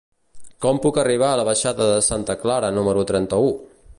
Com puc arribar a la baixada de Santa Clara número trenta-u?